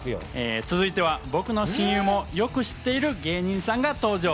続いては僕の親友もよく知っている芸人さんが登場。